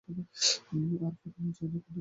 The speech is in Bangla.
আর ফেরানো যায় না কুমুদকে।